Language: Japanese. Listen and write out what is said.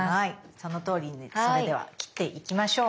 そのとおりにそれでは切っていきましょう。